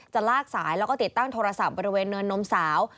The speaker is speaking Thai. ลากสายแล้วก็ติดตั้งโทรศัพท์บริเวณเนินนมสาว